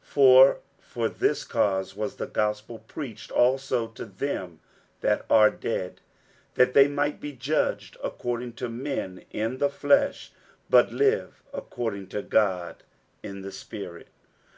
60:004:006 For for this cause was the gospel preached also to them that are dead, that they might be judged according to men in the flesh, but live according to God in the spirit.